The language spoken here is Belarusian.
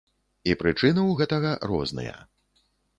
І прычыны ў гэтага розныя.